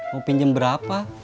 mau pinjem berapa